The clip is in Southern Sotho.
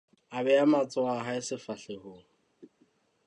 A beha matsoho a hae sefahlehong.